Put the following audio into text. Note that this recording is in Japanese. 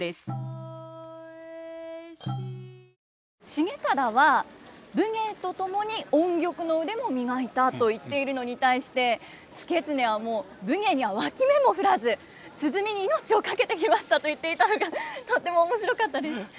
重忠は武芸と共に音曲の腕も磨いたと言っているのに対して祐経はもう武芸には脇目も振らず鼓に命を懸けてきましたと言っていたのがとっても面白かったです。